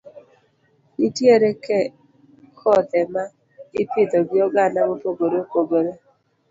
Nitiere kothe ma ipidho gi oganda mopogore opogore.